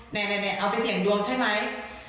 แนนั้งเอาไปเสี่ยงดวงใช่มั้ย